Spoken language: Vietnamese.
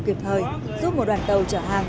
kịp thời giúp một đoàn tàu trở hàng